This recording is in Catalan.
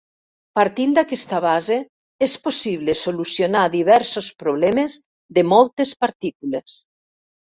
Partint d'aquesta base, és possible solucionar diversos problemes de moltes partícules.